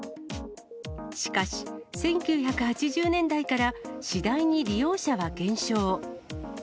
しかし、１９８０年代から次第に利用者は減少。